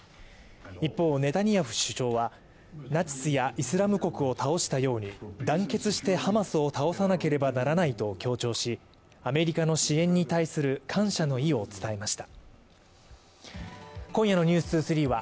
一方ネタニヤフ首相はナチスやイスラム国を倒したように団結してハマスを倒さなければならないと強調しアメリカの支援に対する感謝の意を伝えました今夜の「ｎｅｗｓ２３」は